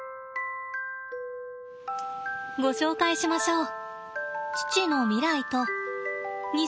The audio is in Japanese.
ご紹介しましょう。